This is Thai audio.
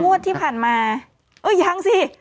งวดที่ผ่านมาเออยังสิ